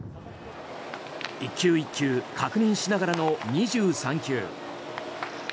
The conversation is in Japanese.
１球１球確認しながらの２３球。